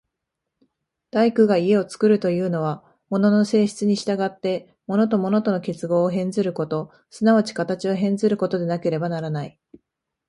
大工が家を造るというのは、物の性質に従って物と物との結合を変ずること、即ち形を変ずることでなければならない。